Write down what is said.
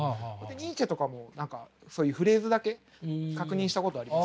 ニーチェとかも何かそういうフレーズだけ確認したことあります。